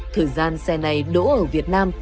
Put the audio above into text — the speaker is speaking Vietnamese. thời gian xe này đỗ ở việt nam